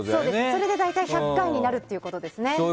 それで大体１００回になるってことですね。